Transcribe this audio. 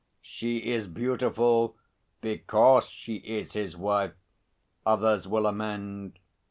'She is beautiful because she is his wife,' others will amend.